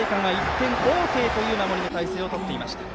浜松開誠館は１点ＯＫという守りの態勢をとっていました。